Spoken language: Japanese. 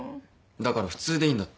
だから普通でいいんだって。